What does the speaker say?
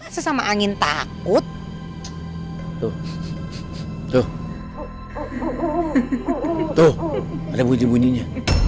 sesama angin takut tuh tuh tuh ada bunyi bunyinya